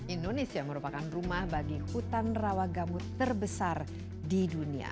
indonesia merupakan rumah bagi hutan rawa gambut terbesar di dunia